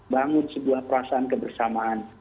bangun sebuah perasaan kebersamaan